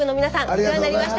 お世話になりました。